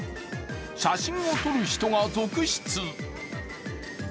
写真を撮る人が続出。